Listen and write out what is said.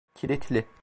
Kilitli.